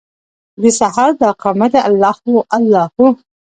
دسهار داقامته الله هو، الله هو